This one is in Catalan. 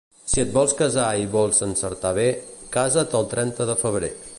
Si et vols casar i vols encertar bé, casa't el trenta de febrer.